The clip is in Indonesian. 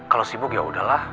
kalau sibuk ya udahlah